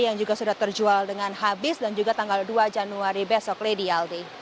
yang juga sudah terjual dengan habis dan juga tanggal dua januari besok lady aldi